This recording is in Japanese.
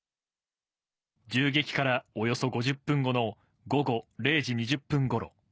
銃撃からおよそ５０分後の午後０時２０分ごろ。